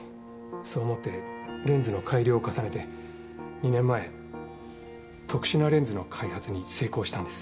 そう思ってレンズの改良を重ねて２年前特殊なレンズの開発に成功したんです。